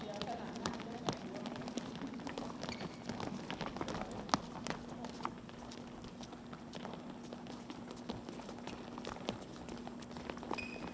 สวัสดีครับทุกคน